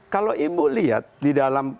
kalau ibu lihat di dalam